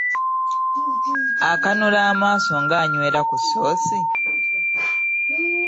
Akanula amaaso ng’anywera ku ssoosi.